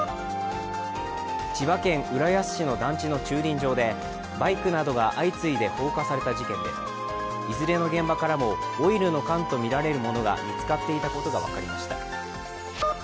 千葉県浦安市の団地の駐輪場でバイクなどが相次いで放火された事件でいずれの現場からもオイルの缶とみられるものが見つかっていたことが分かりました。